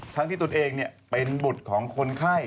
ทั้งที่ตนเองเป็นบุตรของคนไข้